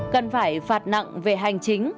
cần phải phạt nặng về hành chính